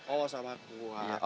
oh sama kuah